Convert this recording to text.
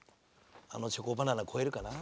あのチョコバナナ超えるかな？